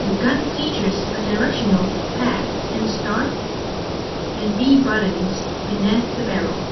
The gun features a directional pad and Start and B buttons beneath the barrel.